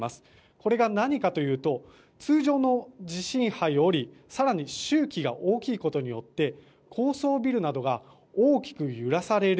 これが何かというと通常の地震波より更に周期が大きいことによって高層ビルなどが大きく揺らされる